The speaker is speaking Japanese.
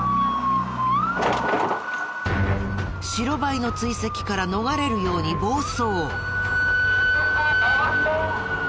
白バイの追跡から逃れるように暴走。